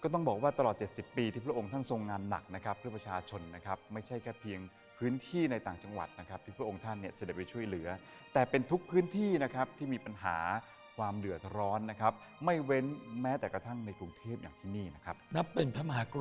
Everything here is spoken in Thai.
ท่านจะอยู่ในความทรงจำของคนบึงพระรามก้าวตลอดไป